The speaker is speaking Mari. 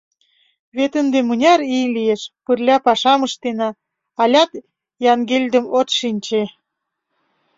Вет ынде мыняр ий лиеш, пырля пашам ыштена, алят Янгелдым от шинче!